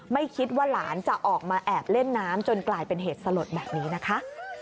ไม่คิดว่าหลานจะออกมาแอบเล่นน้ำจนกลายเป็นเหตุสลดแบบนี้นะคะ